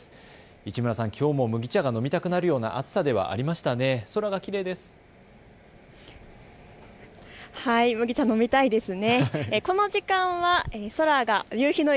市村さん、きょうも麦茶が飲みたくなるような暑さではありましたね。